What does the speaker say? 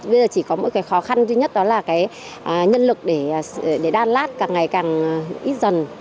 bây giờ chỉ có một khó khăn duy nhất đó là nhân lực để đa lát càng ngày càng ít dần